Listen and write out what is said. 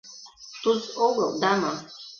— Туз огыл, дама.